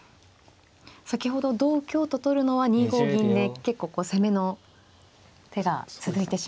先ほど同香と取るのは２五銀で結構攻めの手が続いてしまうと。